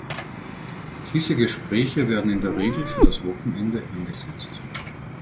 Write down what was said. Diese Gespräche werden in der Regel für das Wochenende angesetzt.